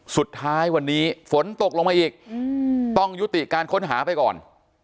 สุดท้ายวันนี้ฝนตกลงมาอีกต้องยุติการค้นหาไปก่อน